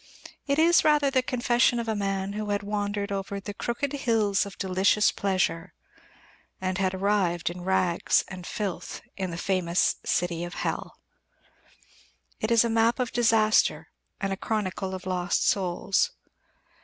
It is rather the confession of a man who had wandered over the "crooked hills of delicious pleasure," and had arrived in rags and filth in the famous city of Hell. It is a map of disaster and a chronicle of lost souls.